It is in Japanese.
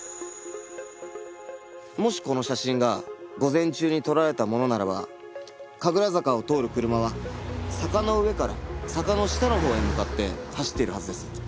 もしこの写真が午前中に撮られたものならば神楽坂を通る車は坂の上から坂の下のほうへ向かって走っているはずです。